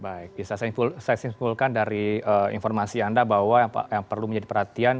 baik bisa saya simpulkan dari informasi anda bahwa yang perlu menjadi perhatian